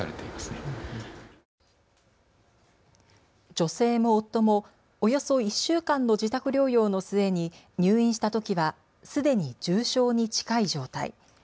女性も夫もおよそ１週間の自宅療養の末に入院したときはすでに重症に近い状態。